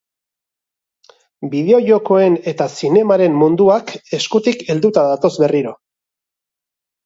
Bideo-jokoen eta zinemaren munduak eskutik helduta datoz berriro.